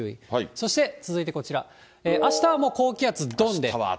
そして続いてこちら、あしたはもう、高気圧どんで。